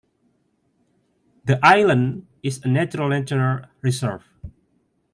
The island is a natural nature reserve.